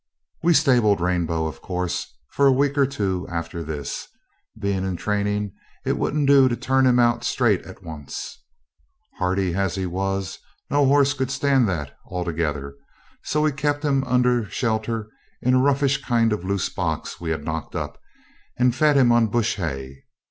We stabled Rainbow, of course, for a week or two after this being in training it wouldn't do to turn him out straight at once. Hardy as he was, no horse could stand that altogether; so we kept him under shelter in a roughish kind of a loose box we had knocked up, and fed him on bush hay.